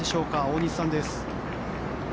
大西さんです。